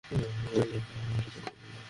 খারাপ কিছু ঘটলে, এটায় চাপ দিয়ে দেবে।